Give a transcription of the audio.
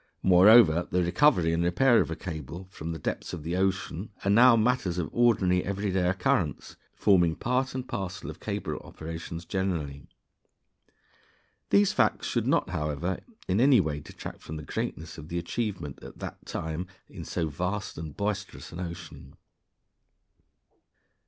Moreover, the recovery and repair of a cable from the depths of the open ocean are now matters of ordinary every day occurrence, forming part and parcel of cable operations generally. These facts should not, however, in any way detract from the greatness of the achievement at that time in so vast and boisterous an ocean.